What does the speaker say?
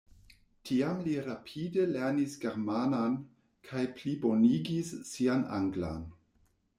Tiam li rapide lernis germanan kaj plibonigis sian anglan.